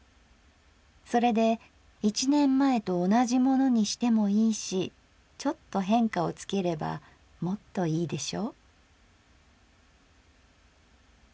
それで一年前と同じものにしてもいいしちょっと変化をつければもっといいでしょ」。